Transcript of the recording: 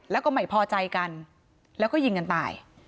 แล้วก็ไม่พอใจกันแล้วก็ยิงกันตาย